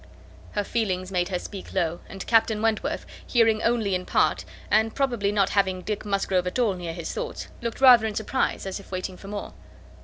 Her feelings made her speak low; and Captain Wentworth, hearing only in part, and probably not having Dick Musgrove at all near his thoughts, looked rather in suspense, and as if waiting for more.